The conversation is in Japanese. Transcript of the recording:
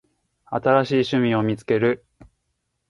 新しい趣味を見つける